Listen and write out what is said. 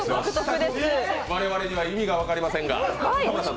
我々には意味が分かりませんが。